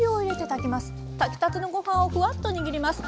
炊きたてのご飯をフワッと握ります。